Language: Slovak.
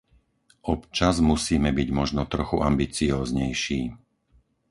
Občas musíme byť možno trochu ambicióznejší.